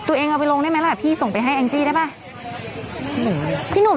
ตัวเองเอาไปลงได้ไหมล่ะพี่ส่งไปให้แองจี้ได้ป่ะพี่หนุ่ม